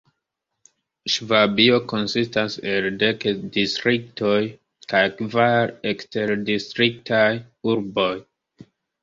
Ŝvabio konsistas el dek distriktoj kaj kvar eksterdistriktaj urboj.